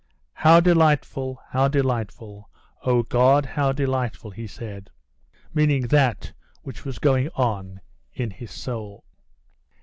"How delightful, how delightful; oh, God, how delightful," he said, meaning that which was going on in his soul.